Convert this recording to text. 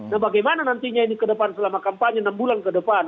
nah bagaimana nantinya ini ke depan selama kampanye enam bulan ke depan